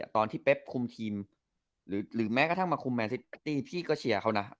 เป๊บคุมทีมหรือแม้กระทั่งมาคุมแมนซิตี้พี่ก็เชียร์เขานะ